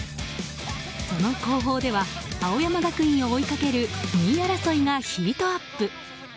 その後方では青山学院を追いかける２位争いがヒートアップ。